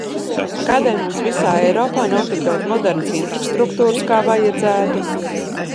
Kādēļ mums visā Eiropā nav tik daudz modernas infrastruktūras, kā vajadzētu?